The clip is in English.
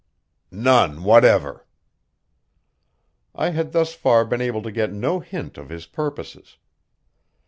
"None whatever." I had thus far been able to get no hint of his purposes.